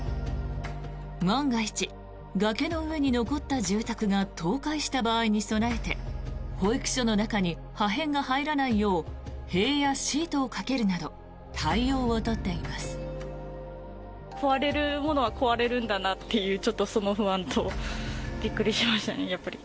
万が一、崖の上に残った住宅が倒壊した場合に備えて保育所の中に破片が入らないよう塀やシートをかけるなど対応を取っています。